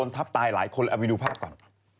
ทับตายหลายคนเอาไปดูภาพก่อน